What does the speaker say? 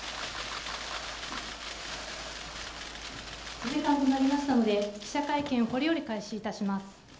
お時間となりましたので、記者会見をこれより開始いたします。